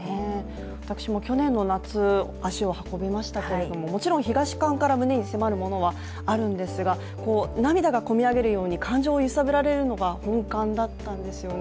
私も去年の夏、足を運びましたけれどももちろん東館から胸迫るものがあるんですが、涙が込み上げるように感情を揺さぶられるのが本館なんですね。